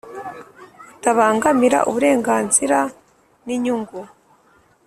Butabangamira uburenganzira n inyungu